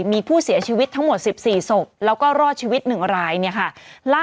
มีผู้เสียชีวิตทั้งหมด๑๔ศพแล้วก็รอดชีวิต๑รายเนี่ยค่ะ